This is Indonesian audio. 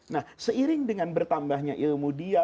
nah seiring dengan bertambahnya ilmu dia